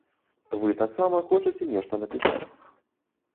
Вы таксама хочаце нешта напісаць.